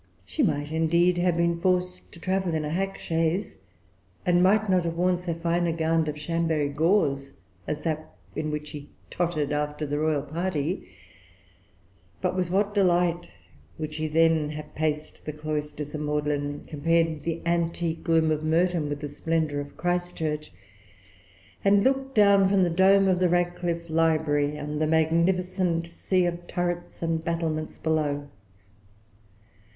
She might, indeed, have been forced to travel in a hack chaise, and might not have worn so fine a gown of Chambery gauze as that in which she tottered after the royal party; but with what delight would she have then paced the cloisters of Magdalene, compared the antique gloom of Merton with the splendor of Christ Church, and looked down from the dome of the Radcliffe Library on the magnificent sea of turrets and battlements below!